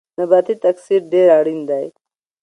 نباتي تکثیر ډیر اړین دی